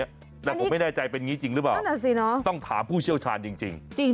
แต่ผมไม่แน่ใจเป็นอย่างนี้จริงหรือเปล่าต้องถามผู้เชี่ยวชาญจริง